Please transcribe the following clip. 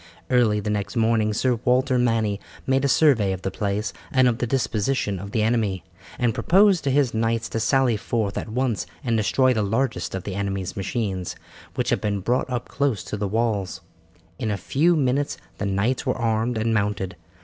Early the next morning Sir Walter Manny made a survey of the place and of the disposition of the enemy, and proposed to his knights to sally forth at once and destroy the largest of the enemy's machines, which had been brought up close to the walls. In a few minutes the knights were armed and mounted.